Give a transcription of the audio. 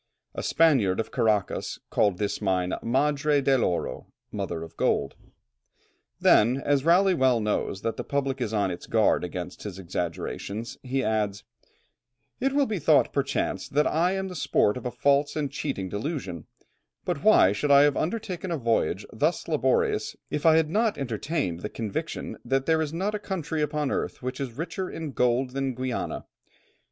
A Spaniard of Caracas called this mine Madre del Oro (mother of gold)." Then, as Raleigh well knows that the public is on its guard against his exaggerations, he adds, "It will be thought perchance, that I am the sport of a false and cheating delusion, but why should I have undertaken a voyage thus laborious, if I had not entertained the conviction that there is not a country upon earth which is richer in gold than Guiana?